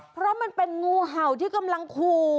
เพราะมันเป็นงูเห่าที่กำลังขู่